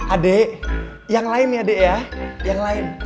ade yang lain nih ade ya yang lain